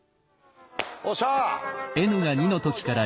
おっしゃ。